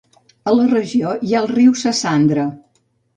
A la regió hi ha el riu Sassandra.